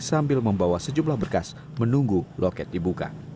sambil membawa sejumlah berkas menunggu loket dibuka